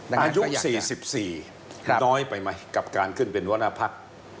อายุ๔๔น้อยไปไหมกับการขึ้นเป็นหัวหน้าพัก